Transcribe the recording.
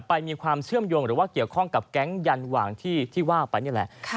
ไปมีความเชื่อมโยงหรือว่าเกี่ยวข้องกับแก๊งยันหว่างที่ว่าไปนี่แหละ